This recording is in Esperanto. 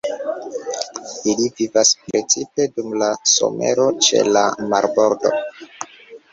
Ili vivas precipe dum la somero ĉe la marbordo.